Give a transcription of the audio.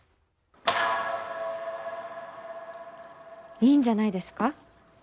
いいんじゃないですか？